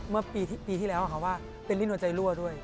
เมื่อปีที่แล้วค่ะว่าเป็นรินวจใจลั่วด้วย